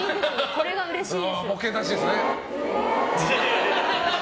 これがうれしいです。